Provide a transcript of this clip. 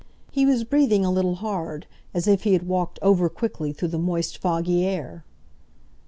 He was breathing a little hard, as if he had walked over quickly through the moist, foggy air.